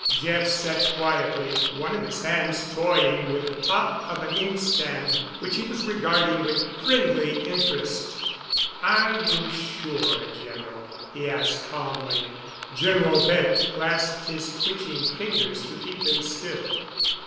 Jeff sat quietly, one of his hands toying with the top of an inkstand, which he was regarding with friendly interest. "Are you sure, General?" he asked calmly. General Bent clasped his twitching fingers to keep them still.